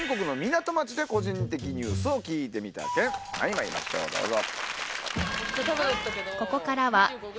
参りましょうどうぞ。